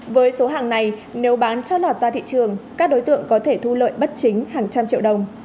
với số hàng này nếu bán cho lọt ra thị trường các đối tượng có thể thu lợi bất chính hàng trăm triệu đồng